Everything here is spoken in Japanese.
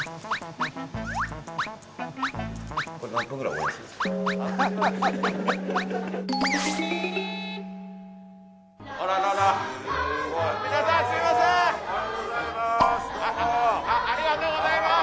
おはようございます。